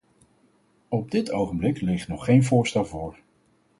Op dit ogenblik ligt nog geen voorstel voor.